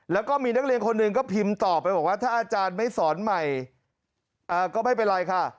แล้วก็มีนักเรียนคนหนึ่งก็พิมพ์ต่อไปบอกว่าถ้าอาจารย์ไม่สอนใหม่ก็ไม่เป็นไรค่ะ